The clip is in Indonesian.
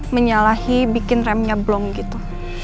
menyalahi bikin rem nyablong gitu